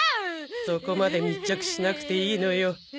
そこまで密着しなくていいのよ。